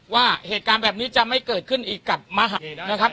ว่าเหตุการณ์แบบนี้จะไม่เกิดขึ้นอีกกับมหะนะครับ